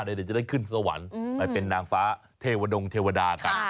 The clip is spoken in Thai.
เดี๋ยวจะได้ขึ้นสวรรค์ไปเป็นนางฟ้าเทวดงเทวดากัน